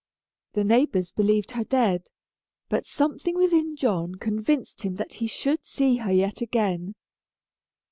The neighbors believed her dead, but something within John convinced him that he should see her yet again.